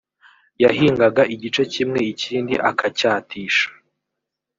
yahingaga igice kimwe ikindi akacyatisha